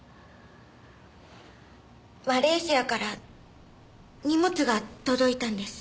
マレーシアから荷物が届いたんです。